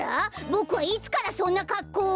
ボクはいつからそんなかっこうを！？